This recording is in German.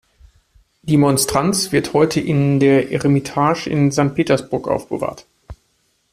Die Monstranz wird heute in der Eremitage in Sankt Petersburg aufbewahrt.